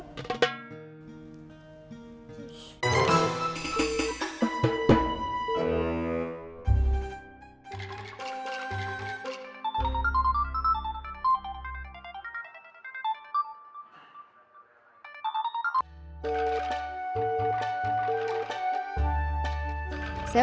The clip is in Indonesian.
play because ya